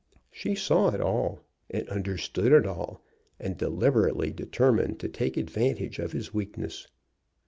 She saw it all and understood it all, and deliberately determined to take advantage of his weakness.